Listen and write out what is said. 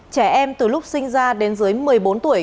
trẻ em từ lúc sinh ra đến dưới một mươi bốn tuổi